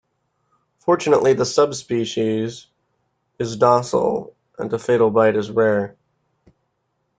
Fortunately the subspecies is docile and a fatal bite is rare.